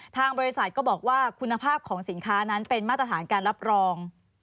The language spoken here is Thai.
ทางบริษัทก็บอกว่าคุณภาพของสินค้านั้นเป็นมาตรฐานการรับรอง